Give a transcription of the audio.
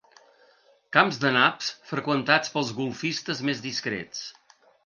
Camps de naps freqüentats pels golfistes més discrets.